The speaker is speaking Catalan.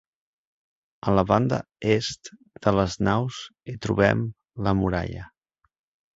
A la banda est de les naus hi trobem la muralla.